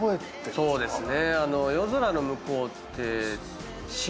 そうですね。